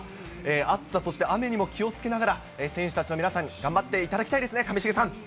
暑さ、そして雨にも気をつけながら、選手たちの皆さんに頑張っていただきたいですね、上重さん。